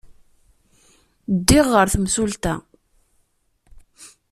Ddiɣ ɣer temsulta.